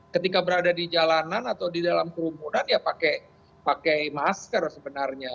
ketika berada di jalanan atau di dalam kerumunan ya pakai masker sebenarnya